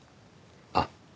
あっ。